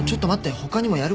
他にもやる事が。